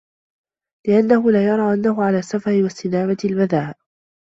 لِأَنَّهُ لَا يَرَى أَنَّهُ عَلَى السَّفَهِ وَاسْتِدَامَةِ الْبَذَاءِ